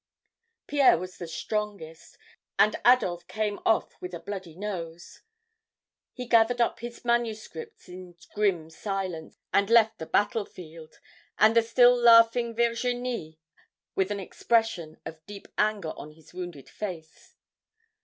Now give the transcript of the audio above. "Pierre was the strongest, and Adolphe came off with a bloody nose. He gathered up his manuscripts in grim silence and left the battlefield and the still laughing Virginie with an expression of deep anger on his wounded face.